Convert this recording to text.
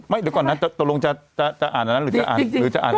ไม่เดี๋ยวก่อนนะตรงจะอ่านอันนั้นหรือจะอ่าน